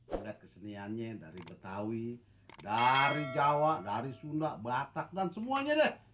ada keseniannya dari betawi dari jawa dari sunda batak dan semuanya deh